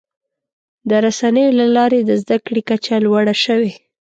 د رسنیو له لارې د زدهکړې کچه لوړه شوې.